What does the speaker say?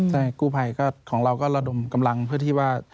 ใช่กู้ภัยก็ของเราก็ระดมกำลังเพื่อที่ว่า